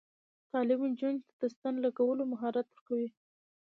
تعلیم نجونو ته د ستن لګولو مهارت ورکوي.